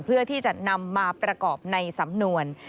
เพื่อที่จะนำมาประกอบในสำนวน